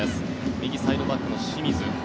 右サイドバックの清水。